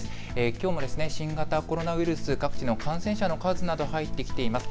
きょうも新型コロナウイルス、各地の感染者の数などが入ってきています。